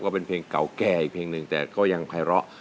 เป็นเพลงเก่าแก่อีกเพลงหนึ่งแต่ก็ยังไพร้อ